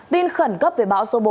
tin khẩn cấp về bão số bốn